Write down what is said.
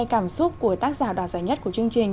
cảm xúc của tác giả đoạt giải nhất của chương trình